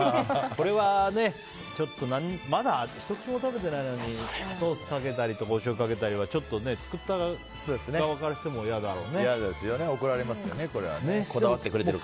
これは、ちょっとまだひと口も食べてないのにソースかけたりとかおしょうゆかけたりとかはちょっと作った側からしても怒られますよね。